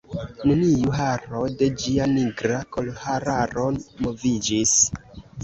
Neniu haro de ĝia nigra kolhararo moviĝis.